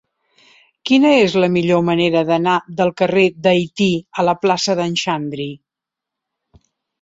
Quina és la millor manera d'anar del carrer d'Haití a la plaça d'en Xandri?